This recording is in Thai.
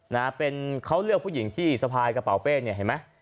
นะฮะเป็นเขาเลือกผู้หญิงที่สะพายกระเป๋าเป้เนี่ยเห็นไหม